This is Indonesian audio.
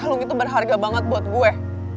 kalung itu berharga banget buat gue